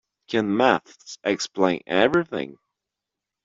Can maths explain everything?